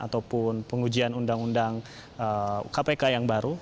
ataupun pengujian undang undang kpk yang baru